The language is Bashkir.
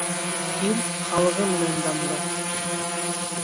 Ил халығы менән данлы.